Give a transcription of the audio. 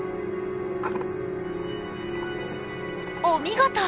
お見事！